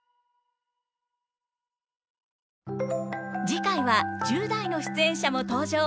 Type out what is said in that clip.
次回は１０代の出演者も登場！